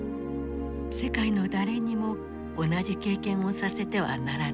世界の誰にも同じ経験をさせてはならない。